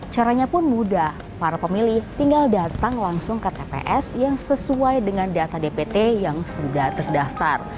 caranya pun mudah para pemilih tinggal datang langsung ke tps yang sesuai dengan data dpt yang sudah terdaftar